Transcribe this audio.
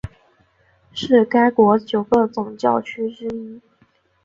是该国九个总教区之一。